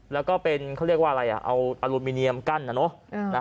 แล้วก็เป็นเขาเรียกว่าอะไรเอาอลูมิเนียมกั้นนะเนอะ